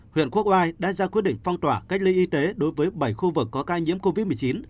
huyện quốc oai đã ra quyết định phong tỏa cách ly y tế đối với bảy khu vực có ca nhiễm covid một mươi chín